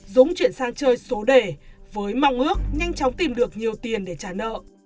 dũng chuyển sang chơi số đề với mong ước nhanh chóng tìm được nhiều tiền để trả nợ